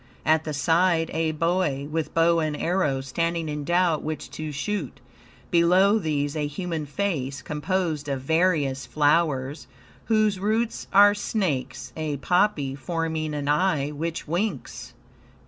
At the side a boy, with bow and arrows, standing in doubt which to shoot. Below these a human face, composed of various flowers, whose roots are snakes, a poppy, forming an eye, which winks.